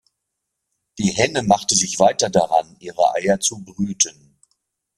Die Henne machte sich weiter daran, ihre Eier zu brüten.